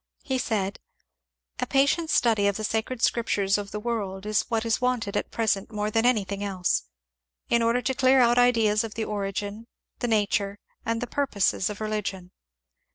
He said :— A patient study of the Sacred Scriptures of the world is what is wanted at present more than anything else, in order to clear out ideas of the origin, the nature, and the purposes of religion.